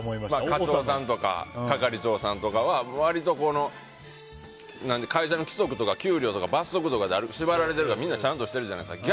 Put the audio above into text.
課長さんとか、係長さんとかは割と、会社の規則とか給料とか給料とか罰則とかで縛られてるからみんなちゃんとしてるじゃないですか。